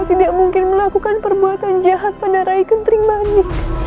tidak mungkin melakukan perbuatan jahat pada rai ketering bani